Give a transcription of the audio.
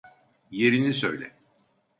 Yerini söyle.